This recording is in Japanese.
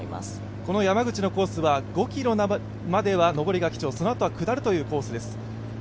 この山口のコースは５ｋｍまでは登りが基調、そのあとは下るというコースです。